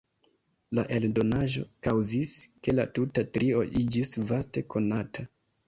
La eldonaĵo kaŭzis, ke la tuta trio iĝis vaste konata.